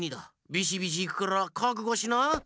ビシビシいくからかくごしな！